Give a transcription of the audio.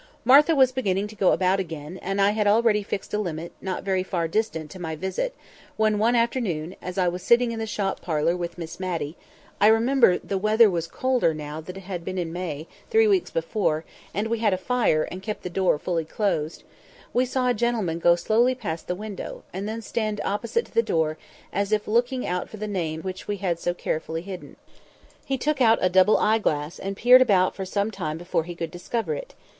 Martha was beginning to go about again, and I had already fixed a limit, not very far distant, to my visit, when one afternoon, as I was sitting in the shop parlour with Miss Matty—I remember the weather was colder now than it had been in May, three weeks before, and we had a fire and kept the door fully closed—we saw a gentleman go slowly past the window, and then stand opposite to the door, as if looking out for the name which we had so carefully hidden. He took out a double eyeglass and peered about for some time before he could discover it.